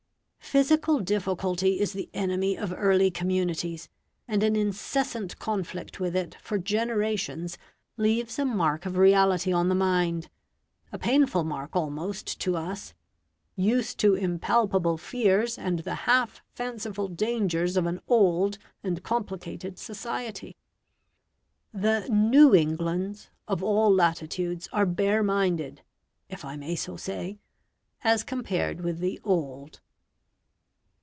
Physical difficulty is the enemy of early communities, and an incessant conflict with it for generations leaves a mark of reality on the mind a painful mark almost to us, used to impalpable fears and the half fanciful dangers of an old and complicated society. The "new Englands" of all latitudes are bare minded (if I may so say) as compared with the "old".